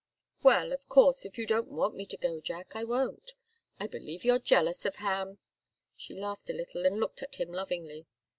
"Well of course, if you don't want me to go, Jack, I won't. I believe you're jealous of Ham!" She laughed a little and looked at him lovingly.